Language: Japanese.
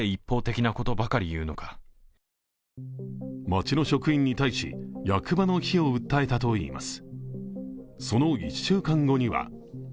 町の職員に対し、役場の非を訴えたといいます。